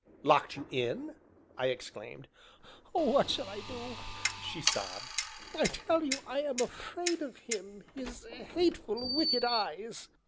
"Locked you in?" I exclaimed. "Oh, what shall I do?" she sobbed. "I tell you I am afraid of him his hateful, wicked eyes!"